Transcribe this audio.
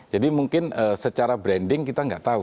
jadi mungkin secara branding kita nggak tahu